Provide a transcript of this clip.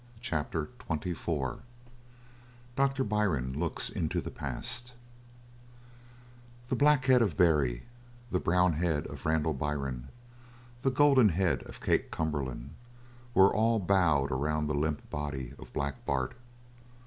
CHAPTER XXIV DOCTOR BYRNE LOOKS INTO THE PAST The black head of Barry, the brown head of Randall Byrne, the golden head of Kate Cumberland, were all bowed around the limp body of Black Bart.